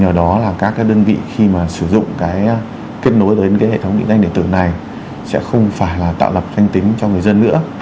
ở đó là các đơn vị khi mà sử dụng cái kết nối đến cái hệ thống định danh điện tử này sẽ không phải là tạo lập danh tính cho người dân nữa